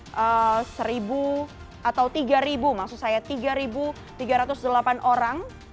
seribu atau tiga ribu maksud saya tiga ribu tiga ratus delapan orang